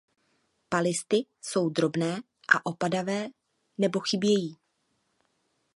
Palisty jsou drobné a opadavé nebo chybějí.